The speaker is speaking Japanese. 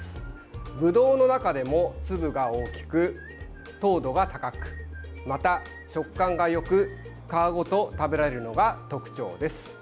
ぶどうの中でも粒が大きく糖度が高く、また食感がよく皮ごと食べられるのが特徴です。